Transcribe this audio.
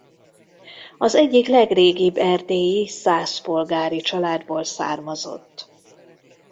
Az egyik legrégibb erdélyi szász polgári családból származott.